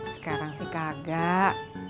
sekarang sih kagak